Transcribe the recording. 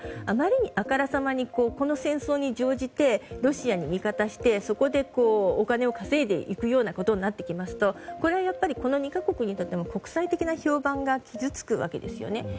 あまりにあからさまにこの戦争に乗じてロシアに味方してそこでお金を稼いでいくようなことになってきますとこれはやっぱり２か国にとっても国際的な評判が傷つくわけですよね。